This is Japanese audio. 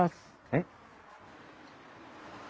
えっ？